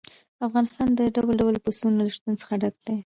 افغانستان د ډول ډول پسونو له شتون څخه ډک دی.